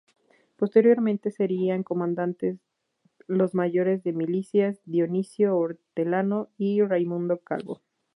Posteriormente serían comandantes los mayores de milicias Dionisio Hortelano y Raimundo Calvo.